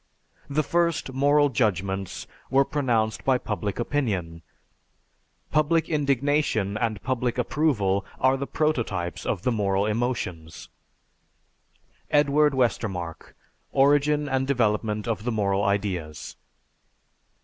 The first moral judgments were pronounced by public opinion; public indignation and public approval are the prototypes of the moral emotions." (_Edward Westermarck: "Origin and Development of the Moral Ideas."